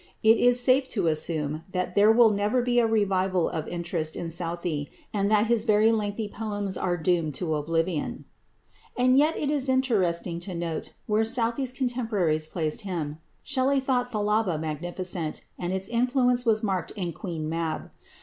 It is safe to assume that there will never be a revival of interest in Southey, and that his very lengthy poems are doomed to oblivion. And yet it is interesting to note where Southey's contemporaries placed him. Shelley thought "Thalaba" magnificent, and its influence was marked in "Queen Mab."